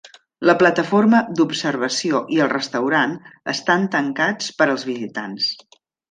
La plataforma d'observació i el restaurant estan tancats per als visitants.